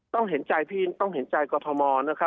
ต้องเห็นใจพี่ต้องเห็นใจกฎธม